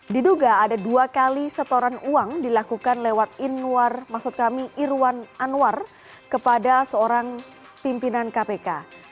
diduga ada dua kali setoran uang dilakukan lewat irwan anwar kepada seorang pimpinan kpk